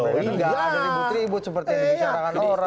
tidak ada ribut ribut seperti yang dicarakan orang